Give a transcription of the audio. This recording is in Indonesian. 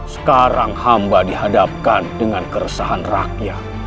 sekarang hamba dihadapkan dengan keresahan rakyat